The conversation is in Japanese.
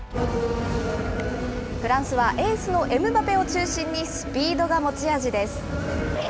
フランスは、エースのエムバペを中心にスピードが持ち味です。